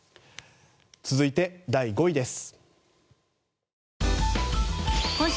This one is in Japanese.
続いて、第５位です。